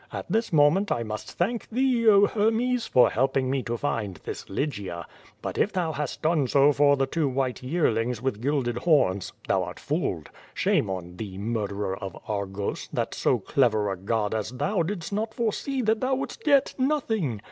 At this moment I must thank thee, oh, Hermes, for helping me to find this Lygia. But if thou hast done so for the two white yearlings with gilded horns, thou art fooled. Shame on thee, murderer of Argos, that so clever a god as thou did not foresee that thou wouldst get nothing.